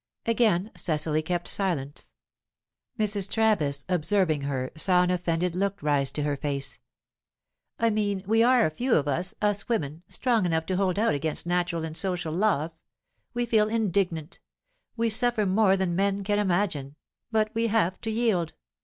Again Cecily kept silence. Mrs. Travis, observing her, saw an offended look rise to her face. "I mean, we are few of us, us women, strong enough to hold out against natural and social laws. We feel indignant, we suffer more than men can imagine, but we have to yield.